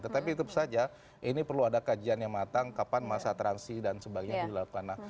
tetapi itu saja ini perlu ada kajian yang matang kapan masa transisi dan sebagainya dilakukan